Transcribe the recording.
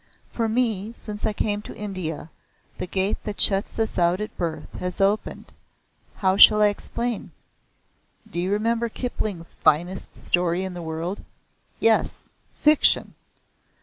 For me, since I came to India, the gate that shuts us out at birth has opened. How shall I explain? Do you remember Kipling's 'Finest Story in the World'?" "Yes. Fiction!"